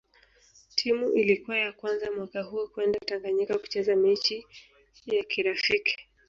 Timu Ilikuwa ya kwanza mwaka huo kwenda Tanganyika kucheza mechi ya kirafiki